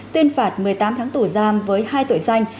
tuyên phạt một mươi tám tháng tù giam với hai tội danh